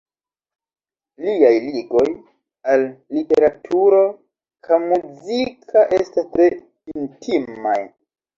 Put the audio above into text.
Liaj ligoj al literaturo ka muziko estas tre intimaj.